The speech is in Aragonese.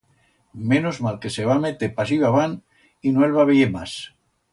Menos mal que se va meter pasillo abant y no el va veyer mas.